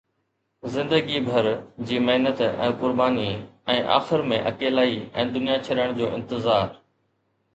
زندگي بھر جي محنت ۽ قرباني ۽ آخر ۾ اڪيلائي ۽ دنيا ڇڏڻ جو انتظار